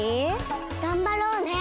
がんばろうね。